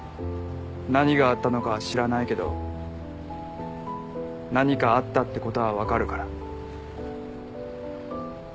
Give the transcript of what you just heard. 何があったのかは知らないけど何かあったってことは分かるから。